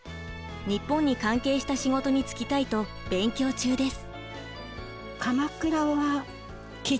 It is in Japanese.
日本に関係した仕事に就きたいと勉強中です。